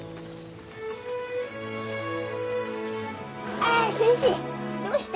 「あ先生どうした？」